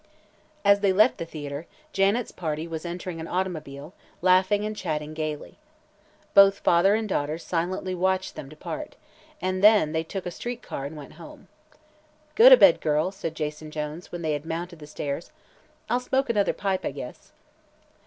As they left the theatre Janet's party was entering an automobile, laughing and chatting gaily. Both father and daughter silently watched them depart, and then they took a street car and went home. "Get to bed, girl," said Jason Jones, when they had mounted the stairs. "I'll smoke another pipe, I guess."